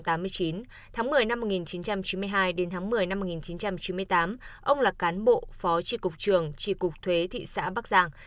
tháng một mươi năm một nghìn chín trăm chín mươi hai đến tháng một mươi năm một nghìn chín trăm chín mươi tám ông là cán bộ phó tri cục trường tri cục thuế thị xã bắc giang